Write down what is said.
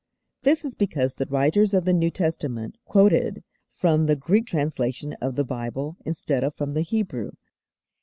This is because the writers of the New Testament quoted from the Greek translation of the Bible instead of from the Hebrew.